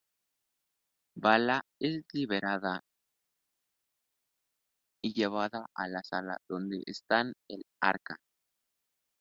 Vala es liberada y llevada a la sala donde está el Arca.